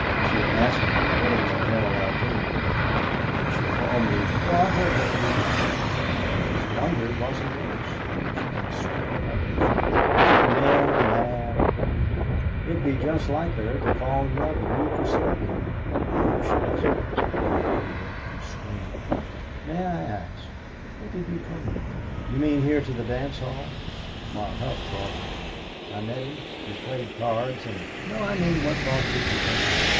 "She asked me what in the hell I came here for. And she called me " "Oh, I heard what Ruby called you. It's a wonder it wasn't worse. She can swear like a trooper. The men are mad over Ruby. It'd be just like her to fall in love with you for snubbing her." "I hope she doesn't," replied Neale, constrainedly. "May I ask what did you come here for?" "You mean here to your dance hall? Why, Hough brought me. I met him. We played cards and " "No. I mean what brought you to Benton?"